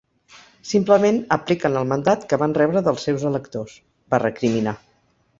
Simplement apliquen el mandat que van rebre dels seus electors, va recriminar.